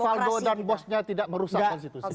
valdo dan bosnya tidak merusak konstitusi